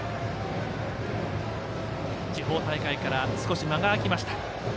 地方大会から少し間が空きました。